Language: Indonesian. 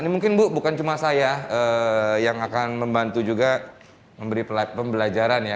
ini mungkin bu bukan cuma saya yang akan membantu juga memberi pembelajaran ya